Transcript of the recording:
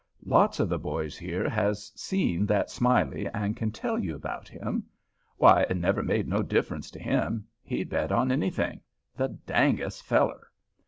Lots of the boys here has seen that Smiley and can tell you about him. Why, it never made no difference to him—he'd bet on any thing—the dangest feller.